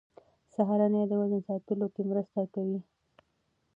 سهارنۍ د وزن ساتلو کې مرسته کوي.